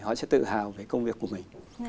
họ sẽ tự hào về công việc của mình